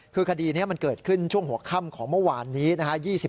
คือคดีนี้มันเกิดขึ้นช่วงหัวค่ำของเมื่อวานนี้นะฮะ